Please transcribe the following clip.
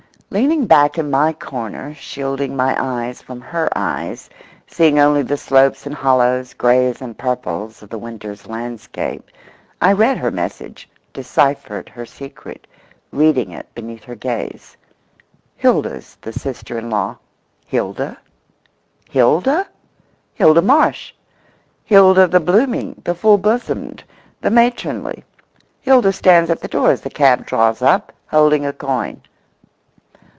Leaning back in my corner, shielding my eyes from her eyes, seeing only the slopes and hollows, greys and purples, of the winter's landscape, I read her message, deciphered her secret, reading it beneath her gaze. Hilda's the sister in law. Hilda? Hilda? Hilda Marsh—Hilda the blooming, the full bosomed, the matronly. Hilda stands at the door as the cab draws up, holding a coin.